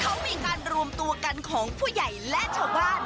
เขามีการรวมตัวกันของผู้ใหญ่และชาวบ้าน